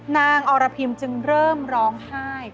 อรพิมจึงเริ่มร้องไห้